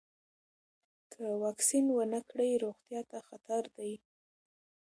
که واکسین ونه کړئ، روغتیا ته خطر دی.